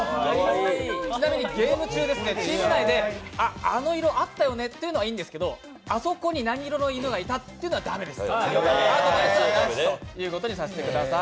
ちなみにゲーム中、チーム内で「あの色、あったよね」と言うのはいいんですけど「あそこに何色の犬がいた」と言うのは駄目です。